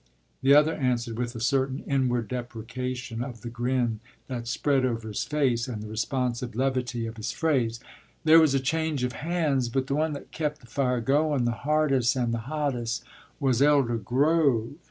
” The other answered with a certain inward deprecation of the grin that spread over his face, and the responsive levity of his phrase, “There was a change of hands, but the one that kep' the fire goun' the hardes' and the hottes' was Elder Grove.